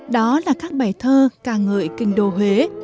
đó là các bài thơ ca ngợi kinh đô huế